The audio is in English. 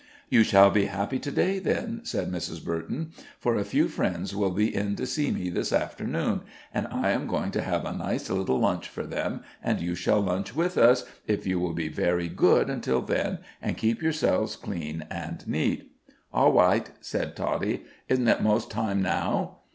"You shall be happy to day, then," said Mrs. Burton; "for a few friends will be in to see me this afternoon, and I am going to have a nice little lunch for them, and you shall lunch with us, if you will be very good until then, and keep yourselves clean and neat." "Aw wight," said Toddie. "Izhn't it most time now?"